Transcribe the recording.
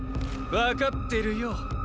分かってるよ。